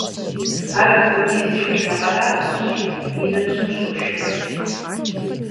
Ар апхуэдизкӏэ шынэкъэрабгъэщи, и ныбжьым щошынэр.